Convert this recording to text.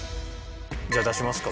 じゃあ出しますか。